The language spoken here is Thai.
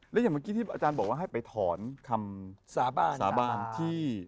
และอย่างเมื่อกี้ที่อาจารย์บอกว่าให้ไปถอนคำสาบานที่